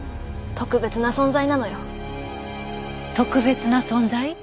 特別な存在？